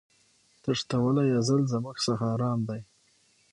تښتولی ازل زموږ څخه آرام دی